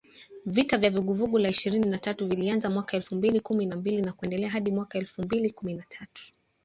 Vita vya Vuguvugu la Ishirini na tatu vilianza mwaka elfu mbili kumi na mbili na kuendelea hadi mwaka elfu mbili kumi na tatu